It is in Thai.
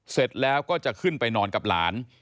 เสร็จแล้วก็จะขึ้นไปนอนกับหลาน